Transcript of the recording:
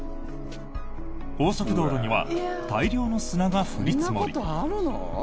高速道路には大量の砂が降り積り。